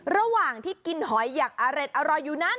ระหว่างที่กินหอยอย่างอร่อยอยู่นั้น